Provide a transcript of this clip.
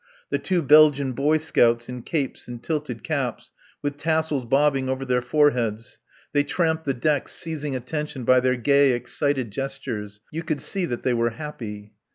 The two Belgian boy scouts in capes and tilted caps with tassels bobbing over their foreheads; they tramped the decks, seizing attention by their gay, excited gestures. You could see that they were happy.